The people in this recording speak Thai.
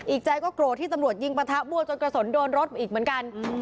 อีกใจก็โกรธที่ตำรวจยิงประทะมั่วจนกระสุนโดนรถมาอีกเหมือนกัน